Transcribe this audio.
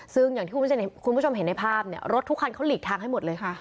ซึ่งอย่างที่คุณผู้ชมเห็นในภาพเนี่ยรถทุกคันเขาหลีกทางให้หมดเลยค่ะ